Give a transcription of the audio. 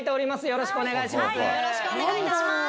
よろしくお願いします。